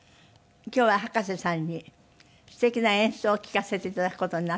今日は葉加瀬さんにすてきな演奏を聴かせて頂く事になっております。